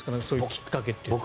きっかけというのは。